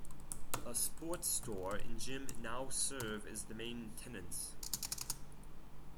A sports store and gym now serve as the main tenants.